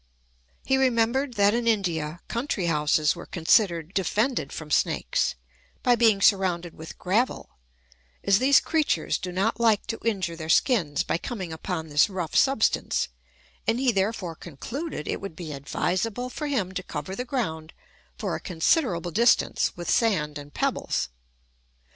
He remembered that in India, country houses were considered defended from snakes, by being surrounded with gravel, as these creatures do not like to injure their skins by coming upon this rough substance; and he therefore concluded, it would be advisable for him to cover the ground for a considerable distance with sand and pebbles.